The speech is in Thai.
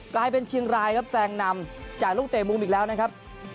กลายเป็นเชียงรายครับแซงนำจากลูกเตะมุมอีกแล้วนะครับ